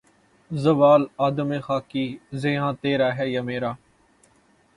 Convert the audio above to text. زوال آدم خاکی زیاں تیرا ہے یا میرا